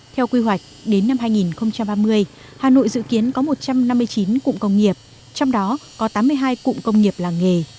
theo quy hoạch đến năm hai nghìn ba mươi hà nội dự kiến có một trăm năm mươi chín cụm công nghiệp trong đó có tám mươi hai cụm công nghiệp làng nghề